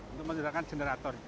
untuk menggerakkan generator